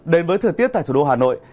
đến với thời tiết tại thủ đô hà nội